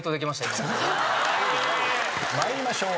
参りましょう。